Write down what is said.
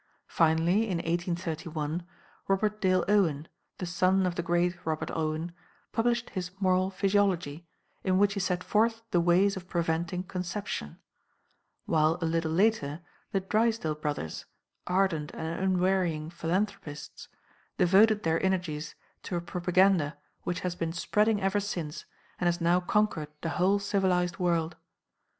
Finally, in 1831, Robert Dale Owen, the son of the great Robert Owen, published his 'Moral Physiology,' in which he set forth the ways of preventing conception; while a little later the Drysdale brothers, ardent and unwearying philanthropists, devoted their energies to a propaganda which has been spreading ever since and has now conquered the whole civilized world.